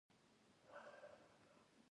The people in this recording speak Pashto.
کاشکي انسان د ورانولو عادت پرېښودلی وای.